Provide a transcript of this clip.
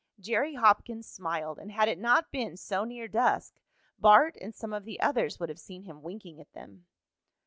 Jerry Hopkins smiled, and had it not been so near dusk Bart and some of the others would have seen him winking at them.